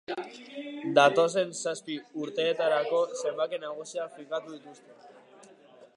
Datozen zazpi urteetarako zenbaki nagusiak finkatu dituzte.